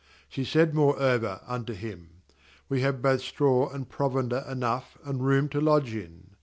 25She said more over unto him: 'We have both straw and provender enough, and room to lodge in.'